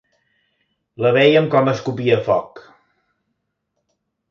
La vèiem com escopia foc